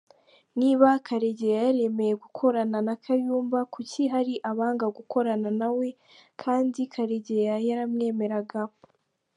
Niba Karegeya yaremeye gukorana na Kayumba kuki hari abanga gukorana nawe kandi Karegeya yaramwemeraga?